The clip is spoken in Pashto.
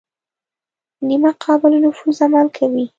نیمه قابل نفوذ عمل کوي.